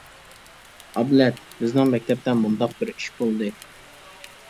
ئابلەت: بىزنىڭ مەكتەپتە مۇنداق بىر ئىش بولدى.